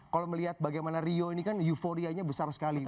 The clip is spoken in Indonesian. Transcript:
kalau melihat bagaimana rio ini kan euforianya besar sekali